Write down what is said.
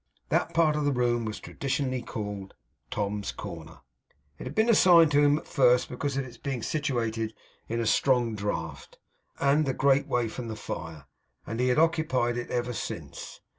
That part of the room was traditionally called 'Tom's Corner.' It had been assigned to him at first because of its being situated in a strong draught, and a great way from the fire; and he had occupied it ever since.